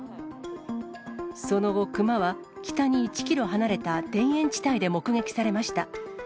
その後、熊は北に１キロ離れた田園地帯で目撃されました。